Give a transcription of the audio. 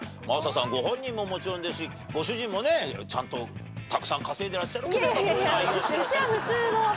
真麻さんご本人ももちろんですしご主人もねちゃんとたくさん稼いでらっしゃるけど。